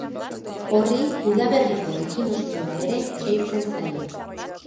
Horri udaberriko ekinozioa ere deitzen zaio.